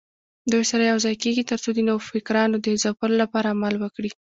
دوی سره یوځای کېږي ترڅو د نوفکرانو د ځپلو لپاره عمل وکړي